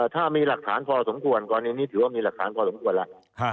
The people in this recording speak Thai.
ถ้ามีหลักฐานพอสมควรกรณีนี้ถือว่ามีหลักฐานพอสมควรแล้ว